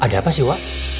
ada apa sih wa